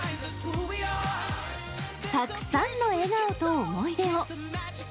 たくさんの笑顔と思い出を。